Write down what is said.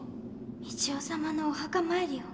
三千代様のお墓参りを。